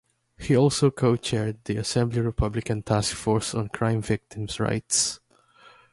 He also co-chaired the Assembly Republican Task Force on Crime Victims' Rights.